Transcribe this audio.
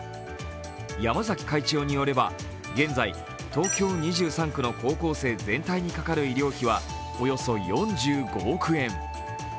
山崎会長によれば、現在、東京２３区の高校生全体にかかる医療費はおよそ４５億円。